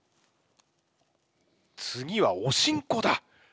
次はおしんこだ！